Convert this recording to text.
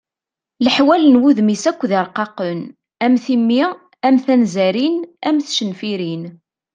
Leḥwal n wudem-is akk d irqaqen am timmi, am tanzarin, am tcenfirin.